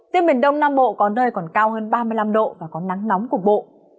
tiếp biển đông nam bộ có nơi còn cao hơn ba mươi năm độ và có nắng nóng của bộ